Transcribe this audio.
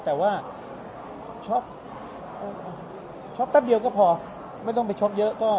แต่ว่าช็อกช็อกแป๊บเดียวก็พอไม่ต้องไปช็อกเยอะ